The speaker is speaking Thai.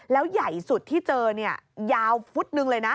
แล้วใหญ่สุดที่เจอเนี่ยยาวฟุตนึงเลยนะ